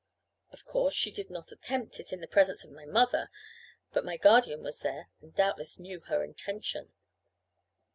Of course, she did not attempt it in the presence of my mother; but my guardian was there, and doubtless knew her intention.